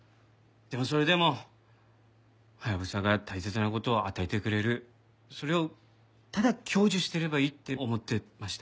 でもそれでもハヤブサが大切な事を与えてくれるそれをただ享受してればいいって思ってました。